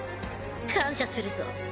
感謝するぞ。